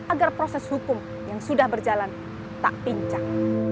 agar proses hukum yang sudah berjalan tak pincang